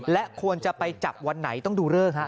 และควรจะไปจับวันไหนต้องดูเลิกฮะ